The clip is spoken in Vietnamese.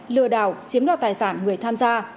lừa đảo chiếm đoạt tài sản người tham gia